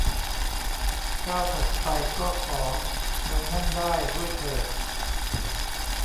ก้าวถัดไปก็ขอ เมืองนั่งได้ ด้วยเถิด